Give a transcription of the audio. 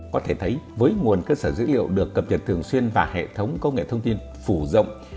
có thể thấy với nguồn cơ sở dữ liệu được cập nhật thường xuyên và hệ thống công nghệ thông tin phủ rộng